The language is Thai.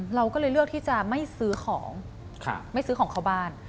เราก็เลยเลือกที่จะไม่ซื้อของไม่ซื้อของเข้าบ้าน